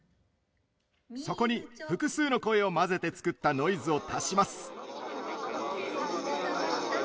そこに、複数の声を混ぜて作ったノイズを足します。